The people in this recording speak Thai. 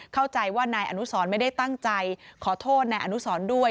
เข้าใจว่านายอนุสรไม่ได้ตั้งใจขอโทษนายอนุสรด้วย